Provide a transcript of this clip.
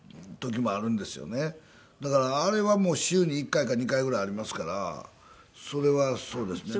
だからあれはもう週に１回か２回ぐらいありますからそれはそうですね。